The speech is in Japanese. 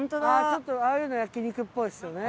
ちょっとああいうの焼肉っぽいですよね。